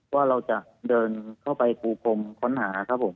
ว่าเราจะเดินเข้าไปปูพรมค้นหาครับผม